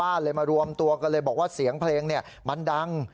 อยู่หน้าบ้านเลยมารวมตัวก็เลยบอกว่าเสียงเพลงมันดัง